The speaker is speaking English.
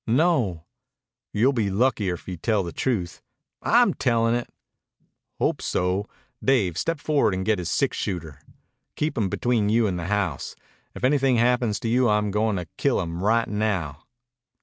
"No." "You'll be luckier if you tell the truth." "I'm tellin' it." "Hope so. Dave, step forward and get his six shooter. Keep him between you and the house. If anything happens to you I'm goin' to kill him right now."